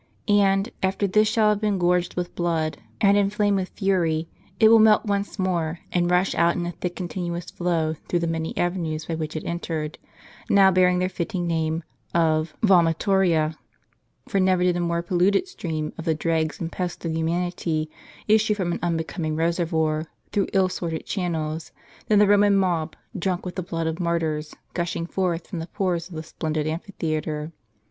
And, after this shall have been gorged with blood, and inflamed with fury, it will melt once more, and rush out in a thick continuous flow through the many avenues by which it entered, now bearing their fitting name of Vomitoria ; for never did a more polluted stream of the dregs and pests of humanity issue from an unbe coming reservoir, through ill assorted channels, than the Roman mob, drunk with the blood of martyrs, gushing forth from the pores of the splendid amphitheatre.